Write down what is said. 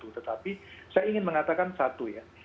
tetapi saya ingin mengatakan satu ya